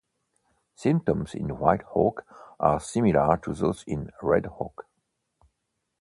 Symptoms in white oak are similar to those in red oak.